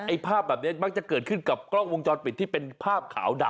ภาพแบบนี้มักจะเกิดขึ้นกับกล้องวงจรปิดที่เป็นภาพขาวดำ